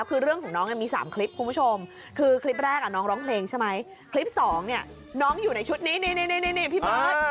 เมื่อกี้ฟังเสียงไปแล้ว